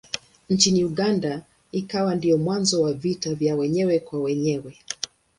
Nchini Uganda ikawa ndiyo mwanzo wa vita vya wenyewe kwa wenyewe.